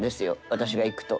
私が行くと。